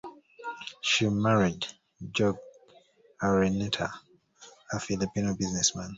She married Jorge Araneta, a Filipino businessman.